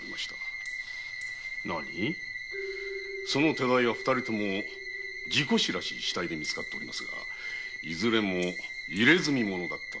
手代は二人とも事故死らしい死体で発見されておりますがその二人はいずれも入墨者だったとか。